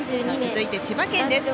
続いて、千葉県です。